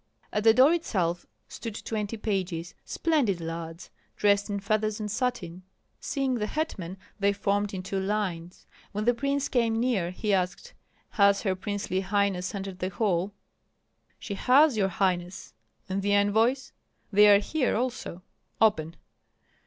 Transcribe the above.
At the door itself stood twenty pages, splendid lads, dressed in feathers and satin. Seeing the hetman, they formed in two lines. When the prince came near, he asked, "Has her princely highness entered the hall?" "She has, your highness." "And the envoys?" "They are here also." "Open!"